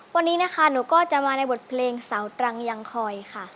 วันนี้นะคะหนูก็จะมาในบทเพลงสาวตรังยังคอยค่ะ